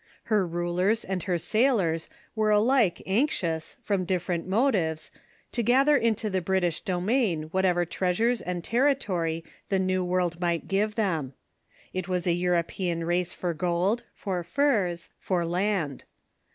Her rulers and her sailors were alike anx The First ^^^^^5 from different motives, to gather into the Brit Engiish ish domain whatever treasures and territory the New Discoveries ^Yqi jj might give them. It was a European race for gold, for furs, for land.